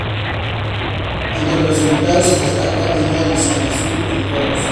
Entre los invitados se destaca Hilda Lizarazu en coros.